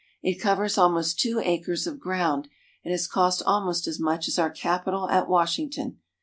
It covers almost two acres of ground, and has cost almost as much as our Capitol at Washington.